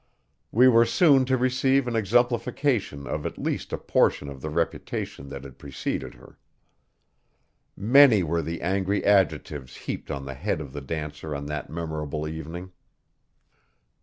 We were soon to receive an exemplification of at least a portion of the reputation that had preceded her. Many were the angry adjectives heaped on the head of the dancer on that memorable evening.